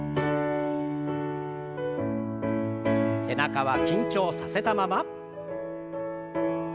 背中は緊張させたまま。